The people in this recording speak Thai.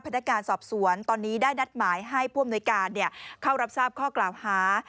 นักการสอบสวนตอนนี้ได้นัดหมายให้ผู้อำนวยการเข้ารับทราบข้อกล่าวหา